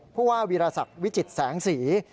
ผู้ว่าวีรศักดิ์วิจิตแสงสี